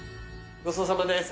ごちそうさまです。